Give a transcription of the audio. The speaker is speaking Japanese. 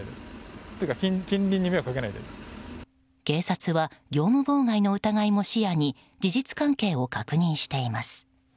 警察は業務妨害の疑いも視野に事実関係を確認しています。